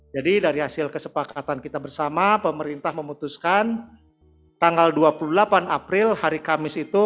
jadi dari hasil kesepakatan kita bersama pemerintah memutuskan tanggal dua puluh delapan april hari kamis itu